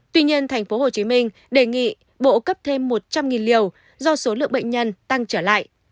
tuy nhiên tp hcm đề nghị bộ cấp thêm một trăm linh liều do số lượng bệnh nhân tăng trở lại